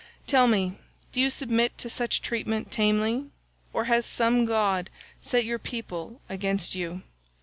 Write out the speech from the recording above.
Tell me, do you submit to such treatment tamely, or has some god set your people against you?